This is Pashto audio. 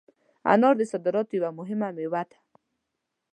انار د صادراتو یوه مهمه مېوه ده.